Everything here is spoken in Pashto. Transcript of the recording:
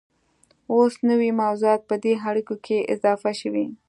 اوس نوي موضوعات په دې اړیکو کې اضافه شوي